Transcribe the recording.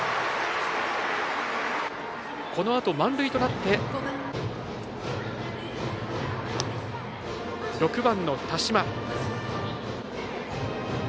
このあと、満塁となって６番の田嶋。